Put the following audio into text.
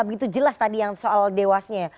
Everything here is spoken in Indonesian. begitu jelas tadi yang soal dewasnya